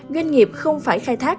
doanh nghiệp không phải khai thác